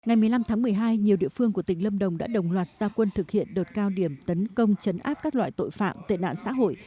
ngày một mươi năm tháng một mươi hai nhiều địa phương của tỉnh lâm đồng đã đồng loạt gia quân thực hiện đợt cao điểm tấn công chấn áp các loại tội phạm tệ nạn xã hội